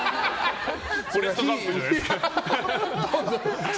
「フォレスト・ガンプ」じゃないですか。